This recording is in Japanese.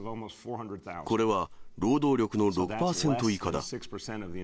これは労働力の６％以下だ。